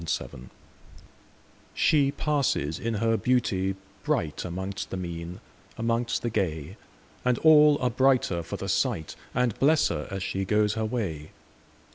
1840 The Secret SHE passes in her beauty brightAmongst the mean, amongst the gay, And all are brighter for the sight, And bless her as she goes her way.